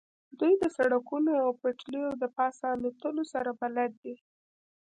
دوی د سړکونو او پټلیو د پاسه الوتلو سره بلد دي